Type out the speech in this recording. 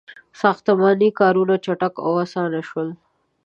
• ساختماني کارونه چټک او آسان شول.